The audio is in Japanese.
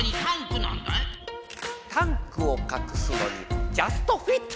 タンクをかくすのにジャストフィット！